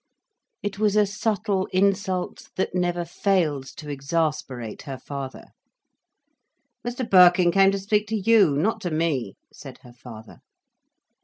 It was a subtle insult that never failed to exasperate her father. "Mr Birkin came to speak to you, not to me," said her father.